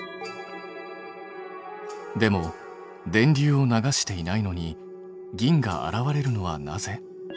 でも電流を流していないのに銀が現れるのはなぜ？